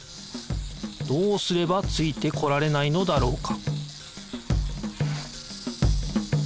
どうすればついてこられないのだろうか？